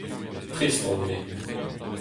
Trist on-me.